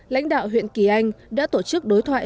lãnh đạo huyện kỳ anh đã tổ chức đối thoại